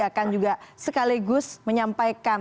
akan juga sekaligus menyampaikan